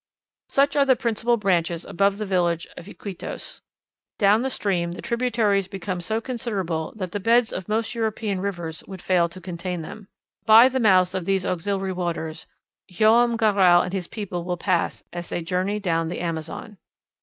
Such are the principal branches above the village of Iquitos. Down the stream the tributaries become so considerable that the beds of most European rivers would fail to contain them. But the mouths of these auxiliary waters Joam Garral and his people will pass as they journey down the Amazon.